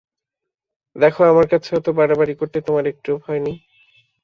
দেখো, আমার কাছে অত বাড়াবাড়ি করতে তোমার একটুও ভয় নেই?